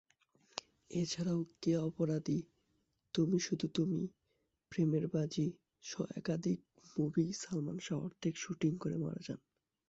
এছাড়াও "কে অপরাধী", "তুমি শুধু তুমি", "প্রেমের বাজি" সহ একাধিক মুভি সালমান শাহ অর্ধেক শুটিং করে মারা যান।